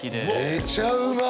めちゃうまい。